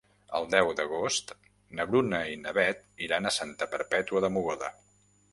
El deu d'agost na Bruna i na Beth iran a Santa Perpètua de Mogoda.